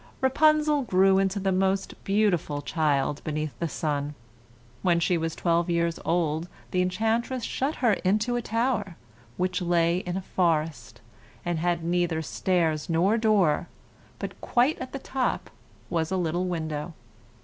Rapunzel grew into the most beautiful child beneath the sun. When she was twelve years old, the enchantress shut her into a tower, which lay in a forest, and had neither stairs nor door, but quite at the top was a little window.